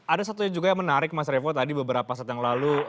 ada satu juga yang menarik mas revo tadi beberapa saat yang lalu